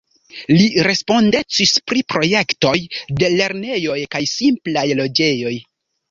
Li respondecis pri projektoj de lernejoj kaj simplaj loĝejoj.